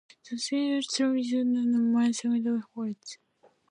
The series starred Jeremy Northam and Douglas Hodge.